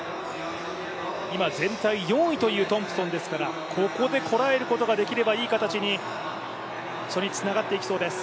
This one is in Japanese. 今、全体４位というトンプソンですから、ここでこらえることができればいい形に初日、つながっていきそうです。